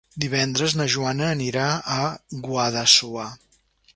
Divendres na Joana anirà a Guadassuar.